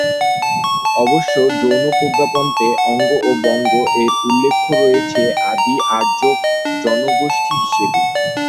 অবশ্য জৈন প্রজ্ঞাপণতে অঙ্গ ও বঙ্গ-এর উল্লেখ রয়েছে আদি আর্য জনগোষ্ঠী হিসেবেই।